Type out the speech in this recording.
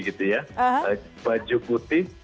gitu ya baju putih